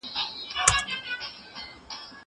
زه هره ورځ ليکنه کوم!؟